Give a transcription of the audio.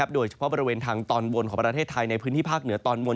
โดยเฉพาะบริเวณทางตอนบนของประเทศไทยในพื้นที่ภาคเหนือตอนบน